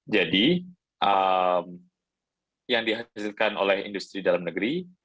jadi yang dihasilkan oleh industri dalam negeri